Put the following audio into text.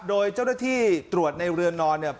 โดยเจ้าหน้าที่ตรวจในเรือนนอนเนี่ย